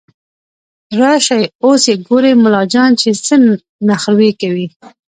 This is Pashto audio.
راشئ اوس يې ګورئ ملا جان چې څه نخروې کوي